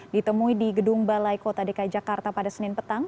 ditemui di gedung balai kota dki jakarta pada senin petang